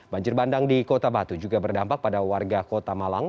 banjir bandang di kota batu juga berdampak pada warga kota malang